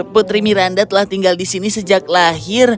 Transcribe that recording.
putri miranda telah tinggal di sini sejak lahir